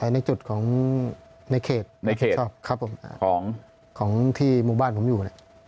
ในจุดของในเขตของที่หมู่บ้านผมอยู่